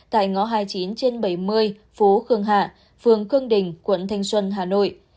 tại ngõ hai mươi chín trên bảy mươi phố khương hạ phường khương đình quận thanh xuân hà nội